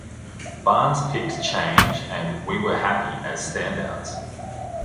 Barnes picked "Change" and "We Were Happy" as standouts.